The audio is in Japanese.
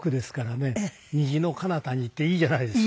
『虹の彼方に』っていいじゃないですか。